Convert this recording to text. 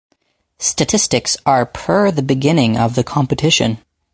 Statistics are per the beginning of the competition.